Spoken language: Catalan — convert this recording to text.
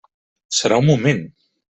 Serà un moment.